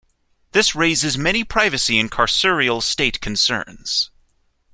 This raises many privacy and carceral state concerns.